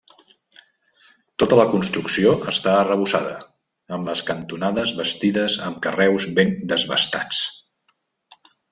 Tota la construcció està arrebossada, amb les cantonades bastides amb carreus ben desbastats.